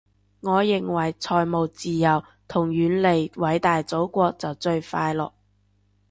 我認為財務自由同遠離偉大祖國就最快樂